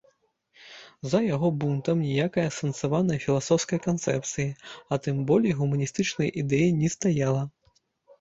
За яго бунтам ніякай асэнсаванай філасофскай канцэпцыі, а тым болей гуманістычнай ідэі не стаяла.